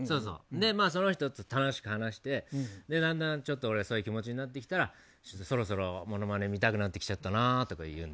その人と楽しく話してだんだんそういう気持ちになってきたらそろそろモノマネ見たくなってきちゃったなって言うの。